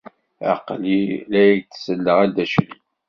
Aql-i la ak-d-selleɣ a Dda Crif.